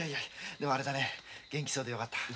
でもあれだね元気そうでよかった。